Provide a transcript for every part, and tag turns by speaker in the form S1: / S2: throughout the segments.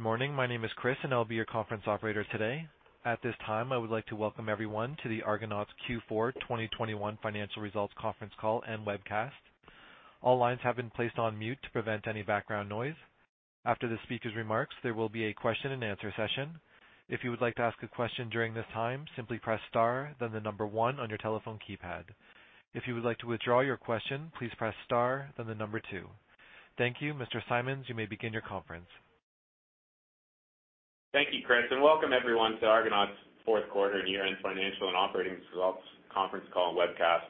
S1: Good morning. My name is Chris, and I'll be your conference operator today. At this time, I would like to welcome everyone to the Argonaut's Q4 2021 financial results conference call and webcast. All lines have been placed on mute to prevent any background noise. After the speaker's remarks, there will be a question-and-answer session. If you would like to ask a question during this time, simply press star then the number one on your telephone keypad. If you would like to withdraw your question, please press star then the number two. Thank you. Mr. Symons, you may begin your conference.
S2: Thank you, Chris, and welcome everyone to Argonaut's fourth quarter and year-end financial and operating results conference call and webcast.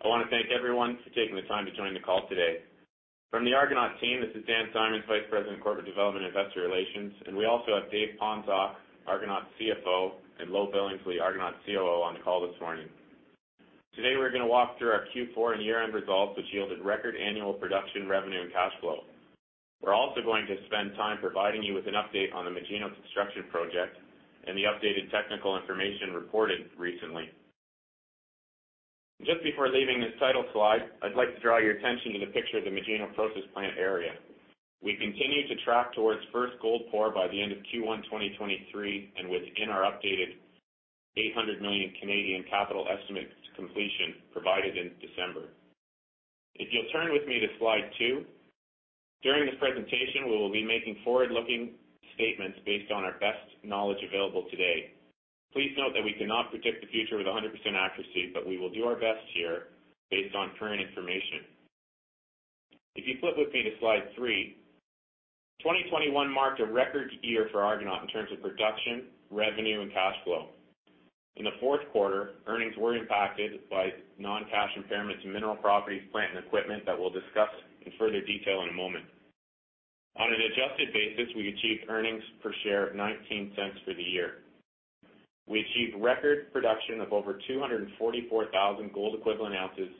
S2: I want to thank everyone for taking the time to join the call today. From the Argonaut team, this is Dan Symons, Vice President of Corporate Development and Investor Relations, and we also have Dave Ponczoch, Argonaut's CFO, and Lowe Billingsley, Argonaut's COO, on the call this morning. Today, we're going to walk through our Q4 and year-end results, which yielded record annual production revenue and cash flow. We're also going to spend time providing you with an update on the Magino Construction Project and the updated technical information reported recently. Just before leaving this title slide, I'd like to draw your attention to the picture of the Magino process plant area. We continue to track towards first gold pour by the end of Q1 2023 and within our updated 800 million capital estimate to completion provided in December. If you'll turn with me to slide two. During this presentation, we will be making forward-looking statements based on our best knowledge available today. Please note that we cannot predict the future with 100% accuracy, but we will do our best here based on current information. If you flip with me to slide three. 2021 marked a record year for Argonaut in terms of production, revenue and cash flow. In the fourth quarter, earnings were impacted by non-cash impairments in mineral properties, plant and equipment that we'll discuss in further detail in a moment. On an adjusted basis, we achieved earnings per share of $0.19 for the year. We achieved record production of over 244,000 gold equivalent ounces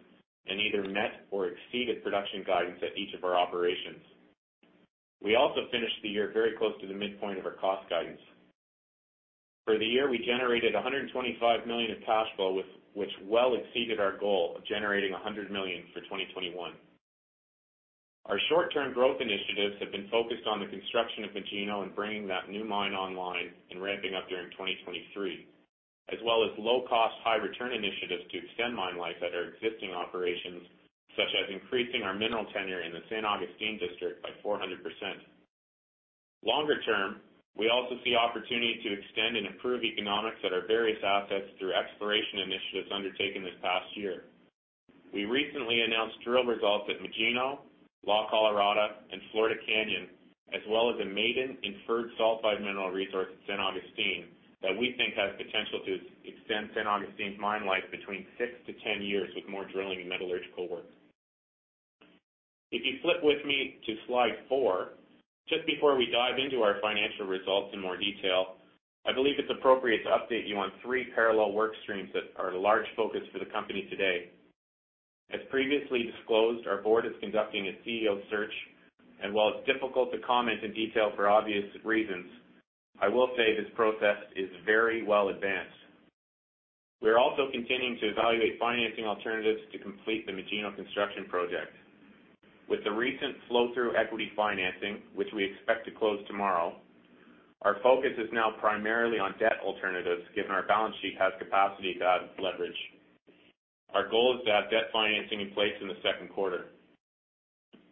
S2: and either met or exceeded production guidance at each of our operations. We also finished the year very close to the midpoint of our cost guidance. For the year, we generated $125 million in cash flow, with which well exceeded our goal of generating $100 million for 2021. Our short-term growth initiatives have been focused on the construction of Magino and bringing that new mine online and ramping up during 2023, as well as low cost, high return initiatives to extend mine life at our existing operations, such as increasing our mineral tenure in the San Agustin district by 400%. Longer-term, we also see opportunity to extend and improve economics at our various assets through exploration initiatives undertaken this past year. We recently announced drill results at Magino, La Colorada and Florida Canyon, as well as a maiden inferred sulfide mineral resource at San Agustín that we think has potential to extend San Agustín's mine life between six to 10 years with more drilling and metallurgical work. If you flip with me to slide four. Just before we dive into our financial results in more detail, I believe it's appropriate to update you on three parallel work streams that are a large focus for the company today. As previously disclosed, our board is conducting a CEO search, and while it's difficult to comment in detail for obvious reasons, I will say this process is very well advanced. We are also continuing to evaluate financing alternatives to complete the Magino construction project. With the recent flow-through equity financing, which we expect to close tomorrow, our focus is now primarily on debt alternatives, given our balance sheet has capacity to add leverage. Our goal is to have debt financing in place in the second quarter.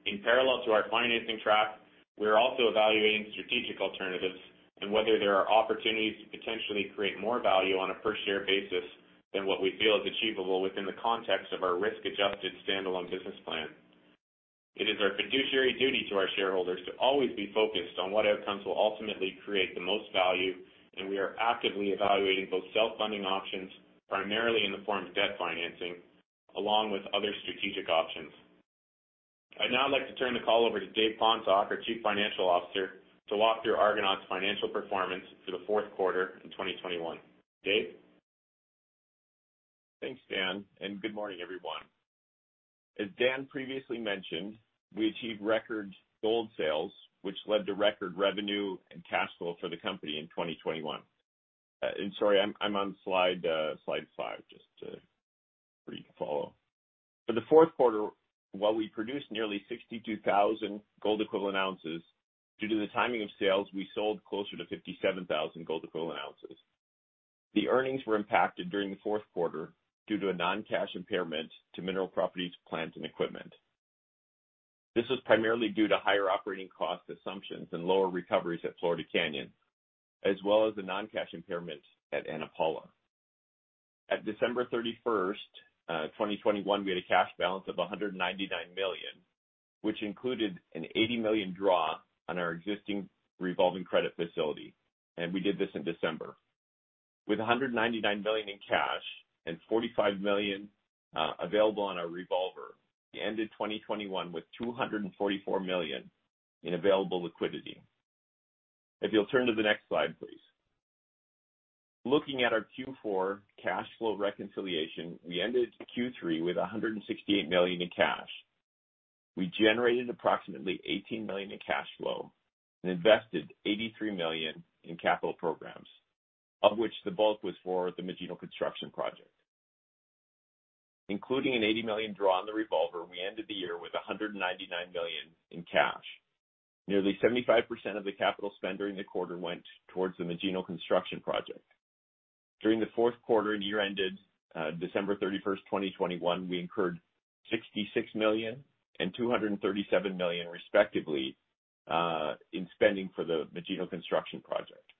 S2: In parallel to our financing track, we are also evaluating strategic alternatives and whether there are opportunities to potentially create more value on a per share basis than what we feel is achievable within the context of our risk-adjusted standalone business plan. It is our fiduciary duty to our shareholders to always be focused on what outcomes will ultimately create the most value, and we are actively evaluating both self-funding options, primarily in the form of debt financing, along with other strategic options. I'd now like to turn the call over to Dave Ponczoch, our Chief Financial Officer, to walk through Argonaut's financial performance for the fourth quarter in 2021. Dave?
S3: Thanks, Dan, and good morning, everyone. As Dan previously mentioned, we achieved record gold sales, which led to record revenue and cash flow for the company in 2021. Sorry, I'm on slide five, just so you can follow. For the fourth quarter, while we produced nearly 62,000 gold equivalent ounces, due to the timing of sales, we sold closer to 57,000 gold equivalent ounces. The earnings were impacted during the fourth quarter due to a non-cash impairment to mineral properties, plants, and equipment. This was primarily due to higher operating cost assumptions and lower recoveries at Florida Canyon, as well as a non-cash impairment at Ana Paula. At December 31st, 2021, we had a cash balance of $199 million, which included an $80 million draw on our existing revolving credit facility, and we did this in December. With $199 million in cash and $45 million available on our revolver, we ended 2021 with $244 million in available liquidity. If you'll turn to the next slide, please. Looking at our Q4 cash flow reconciliation, we ended Q3 with $168 million in cash. We generated approximately $18 million in cash flow and invested $83 million in capital programs, of which the bulk was for the Magino project. Including an $80 million draw on the revolver, we ended the year with $199 million in cash. Nearly 75% of the capital spend during the quarter went towards the Magino construction project. During the fourth quarter and year ended December 31st, 2021, we incurred $66 million and $237 million respectively in spending for the Magino construction project.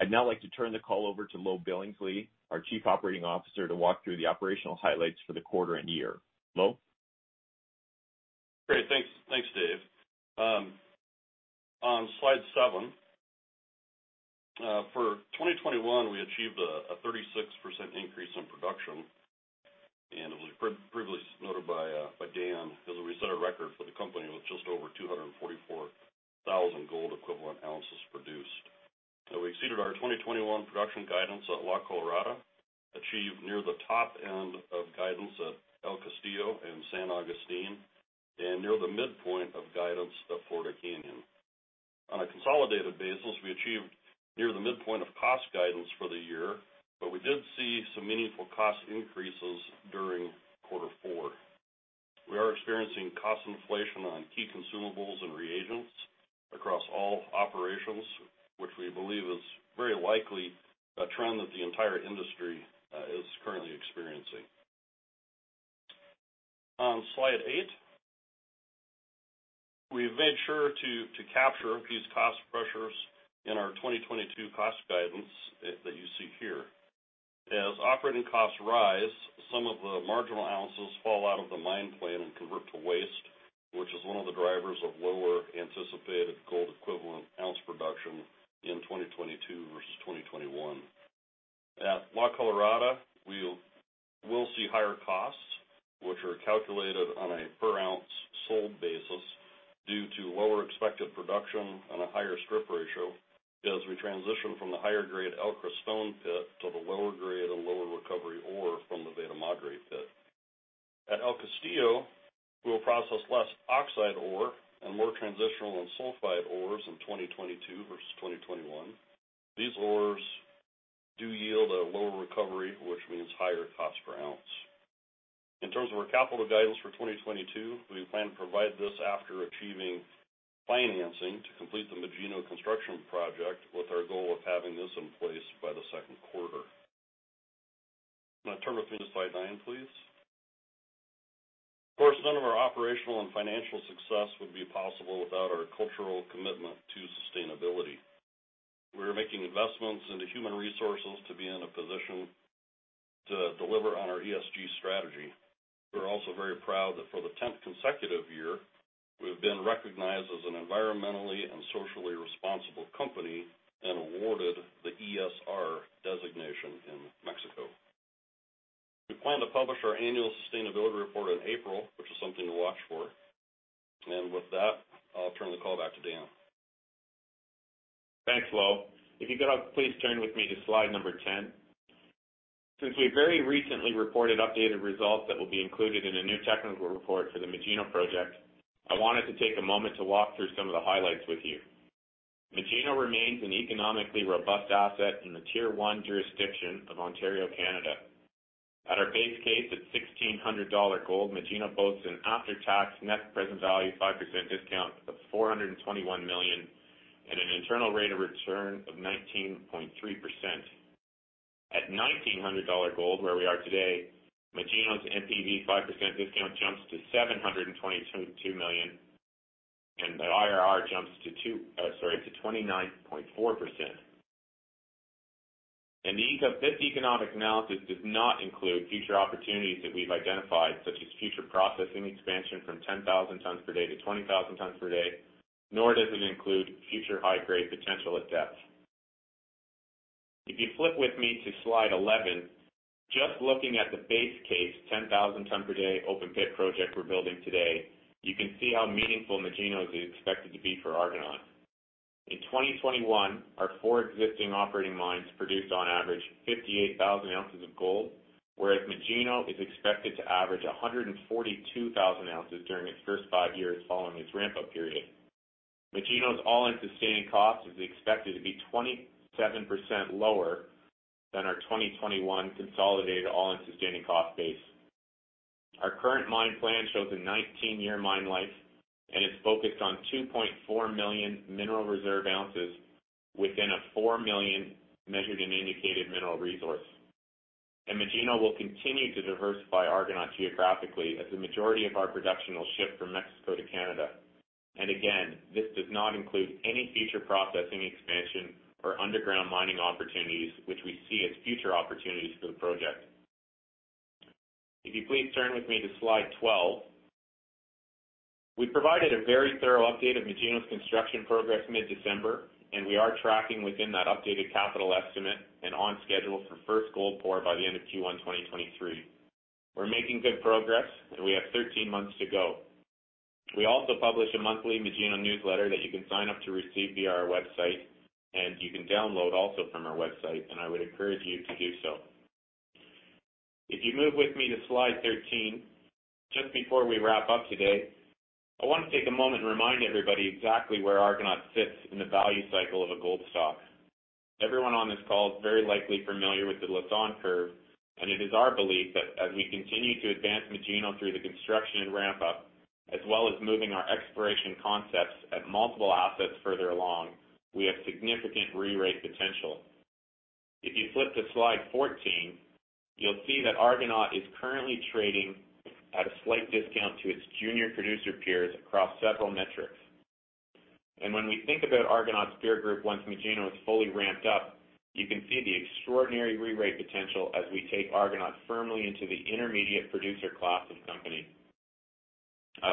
S3: I'd now like to turn the call over to Lowe Billingsley, our Chief Operating Officer, to walk through the operational highlights for the quarter and year. Lowe?
S4: Great. Thanks, Dave. On slide seven, for 2021, we achieved a 36% increase in production, and it was previously noted by Dan, as we set a record for the company with just over 244,000 gold equivalent ounces produced. Now we exceeded our 2021 production guidance at La Colorada, achieved near the top end of guidance at El Castillo and San Agustin, and near the midpoint of guidance at Florida Canyon. On a consolidated basis, we achieved near the midpoint of cost guidance for the year, but we did see some meaningful cost increases during quarter four. We are experiencing cost inflation on key consumables and reagents across all operations, which we believe is very likely a trend that the entire industry is currently experiencing. On slide eight, we've made sure to capture these cost pressures in our 2022 cost guidance that you see here. As operating costs rise, some of the marginal ounces fall out of the mine plan and convert to waste, which is one of the drivers of lower anticipated gold equivalent ounce production in 2022 versus 2021. At La Colorada, we'll see higher costs, which are calculated on a per ounce sold basis due to lower expected production and a higher strip ratio as we transition from the higher grade El Creston pit to the lower grade and lower recovery ore from the Veta Madre pit. At El Castillo, we'll process less oxide ore and more transitional and sulfide ores in 2022 versus 2021. These ores do yield a lower recovery, which means higher cost per ounce. In terms of our capital guidance for 2022, we plan to provide this after achieving financing to complete the Magino construction project with our goal of having this in place by the second quarter. Now turn with me to slide nine, please. Of course, none of our operational and financial success would be possible without our cultural commitment to sustainability. We're making investments into human resources to be in a position to deliver on our ESG strategy. We're also very proud that for the 10th consecutive year, we've been recognized as an environmentally and socially responsible company and awarded the ESR designation in Mexico. We plan to publish our annual sustainability report in April, which is something to watch for. With that, I'll turn the call back to Dan.
S2: Thanks, Low. If you could please turn with me to slide number 10. Since we very recently reported updated results that will be included in a new technical report for the Magino Project, I wanted to take a moment to walk through some of the highlights with you. Magino remains an economically robust asset in the Tier 1 jurisdiction of Ontario, Canada. At our base case at $1,600 gold, Magino boasts an after-tax NPV 5% discount of $421 million and an interna rate of return of 19.3%. At $1,900 gold, where we are today, Magino's NPV 5% discount jumps to $722.2 million, and the IRR jumps to 29.4%. This economic analysis does not include future opportunities that we've identified, such as future processing expansion from 10,000 tons per day to 20,000 tons per day, nor does it include future high-grade potential at depth. If you flip with me to slide 11, just looking at the base case, 10,000 tons per day open pit project we're building today, you can see how meaningful Magino is expected to be for Argonaut. In 2021, our four existing operating mines produced on average 58,000 ounces of gold, whereas Magino is expected to average 142,000 ounces during its first five years following its ramp-up period. Magino's all-in sustaining costs is expected to be 27% lower than our 2021 consolidated all-in sustaining cost base. Our current mine plan shows a 19-year mine life, and it's focused on 2.4 million mineral reserve ounces within a 4 million measured and indicated mineral resource. Magino will continue to diversify Argonaut geographically, as the majority of our production will ship from Mexico to Canada. Again, this does not include any future processing expansion or underground mining opportunities, which we see as future opportunities for the project. If you please turn with me to slide 12. We provided a very thorough update of Magino's construction progress mid-December, and we are tracking within that updated capital estimate and on schedule for first gold pour by the end of Q1 2023. We're making good progress, and we have 13 months to go. We also publish a monthly Magino newsletter that you can sign up to receive via our website, and you can download also from our website, and I would encourage you to do so. If you move with me to slide 13, just before we wrap up today, I want to take a moment and remind everybody exactly where Argonaut sits in the value cycle of a gold stock. Everyone on this call is very likely familiar with the Lassonde curve, and it is our belief that as we continue to advance Magino through the construction and ramp up, as well as moving our exploration concepts at multiple assets further along, we have significant re-rate potential. If you flip to slide 14, you'll see that Argonaut is currently trading at a slight discount to its junior producer peers across several metrics. When we think about Argonaut's peer group, once Magino is fully ramped up, you can see the extraordinary re-rate potential as we take Argonaut firmly into the intermediate producer class of company.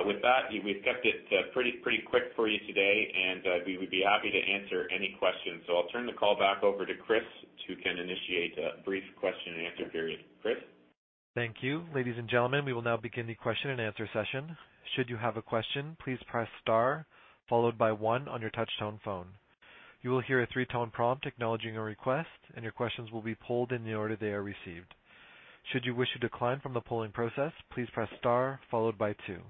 S2: With that, we've kept it pretty quick for you today, and we would be happy to answer any questions. I'll turn the call back over to Chris, who can initiate a brief question and answer period. Chris?
S1: Thank you. Ladies and gentlemen, we will now begin the question-and- answer session. Should you have a question, please press star followed by one on your touch tone phone. You will hear a three-tone prompt acknowledging your request, and your questions will be polled in the order they are received. Should you wish to decline from the polling process, please press star followed by two.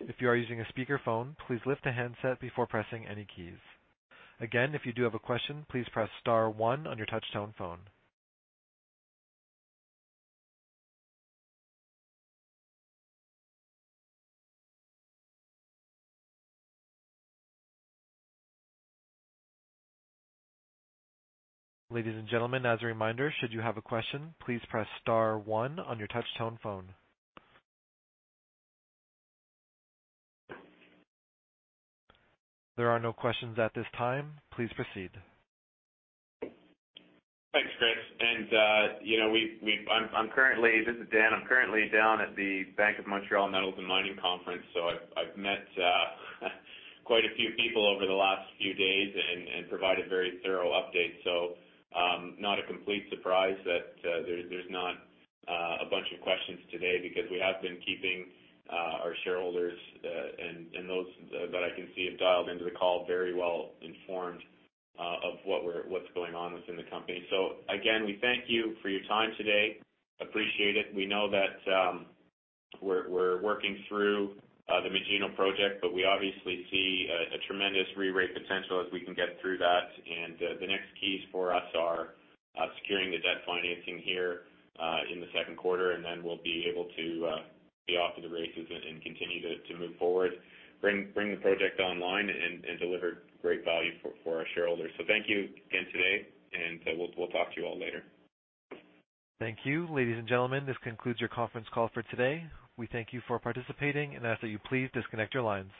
S1: If you are using a speakerphone, please lift the handset before pressing any keys. Again, if you do have a question, please press star-one on your touch tone phone. Ladies and gentlemen, as a reminder, should you have a question, please press star-one on your touch tone phone. There are no questions at this time. Please proceed.
S2: Thanks, Chris. You know, I'm currently. This is Dan. I'm currently down at the Bank of Montreal Metals and Mining Conference, so I've met quite a few people over the last few days and provided very thorough updates. Not a complete surprise that there's not a bunch of questions today because we have been keeping our shareholders and those that I can see have dialed into the call very well informed of what's going on within the company. Again, we thank you for your time today. Appreciate it. We know that we're working through the Magino Project, but we obviously see a tremendous re-rate potential as we can get through that. The next keys for us are securing the debt financing here in the second quarter. Then we'll be able to be off to the races and continue to move forward, bring the project online and deliver great value for our shareholders. Thank you again today, and we'll talk to you all later.
S1: Thank you. Ladies and gentlemen, this concludes your conference call for today. We thank you for participating and ask that you please disconnect your lines.